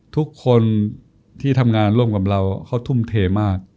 ทุกคนที่ทำงานร่วมกับเราเขาทุ่มเทมาก